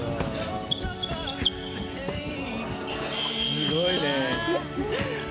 すごいね。